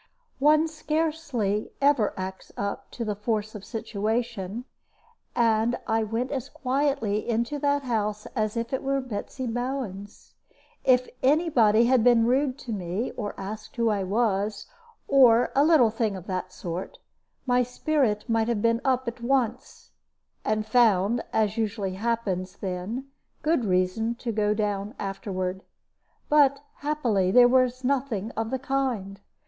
One scarcely ever acts up to the force of situation; and I went as quietly into that house as if it were Betsy Bowen's. If any body had been rude to me, or asked who I was, or a little thing of that sort, my spirit might have been up at once, and found, as usually happens then, good reason to go down afterward. But happily there was nothing of the kind.